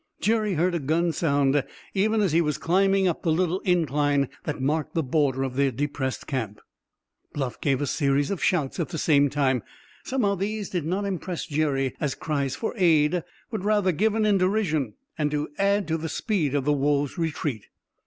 Jerry heard a gun sound even as he was climbing up the little incline that marked the border of their depressed camp. Bluff gave a series of shouts at the same time; somehow these did not impress Jerry as cries for aid, but rather given in derision, and to add to the speed of the wolves' retreat.